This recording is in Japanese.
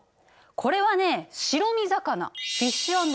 これはね白身魚。